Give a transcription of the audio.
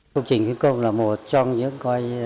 công trình khuyến công là một trong những